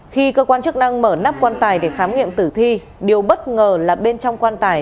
khi cơ quan chức năng mở nắp quan tài để khám nghiệm tử thi điều bất ngờ là bên trong quan tài